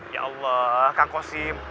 ya allah kang kostim